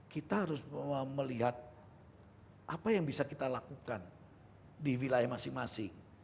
kita harus melihat apa yang bisa kita lakukan di wilayah masing masing